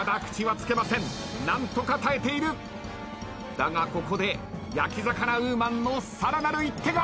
だがここで焼き魚ウーマンのさらなる一手が。